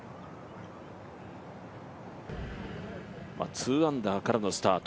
２アンダーからのスタート。